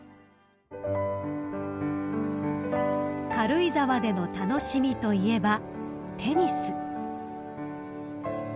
［軽井沢での楽しみといえばテニス］